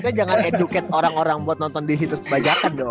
kita jangan educate orang orang buat nonton di situs bajakan dong